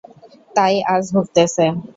তাই আজ ভুগতেছে।